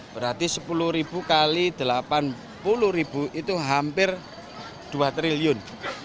berarti sepuluh ribu x delapan puluh ribu itu hampir dua triliun